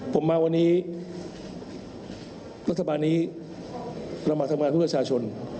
ผมมาวันนี้รัฐบาลนี้เรามาทำงานเพื่อประชาชน